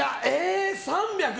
３００